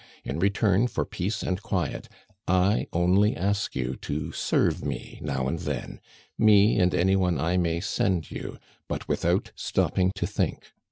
In return for peace and quiet, I only ask you to serve me now and then, me, and any one I may send you, but without stopping to think.